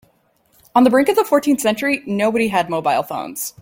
On the brink of the fourteenth century, nobody had mobile phones.